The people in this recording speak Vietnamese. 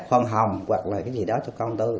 hoàng hồng hoặc là cái gì đó cho con tôi